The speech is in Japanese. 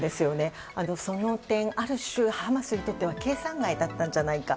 その点、ある種ハマスにとっては計算外だったんじゃないか。